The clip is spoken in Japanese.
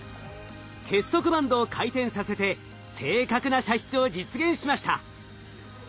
結束バンドを回転させて正確な射出を実現しました。